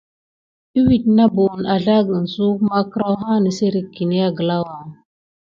Iwid na buhən azlagən suwek makkrawa ha nəsserik kiné aglawa.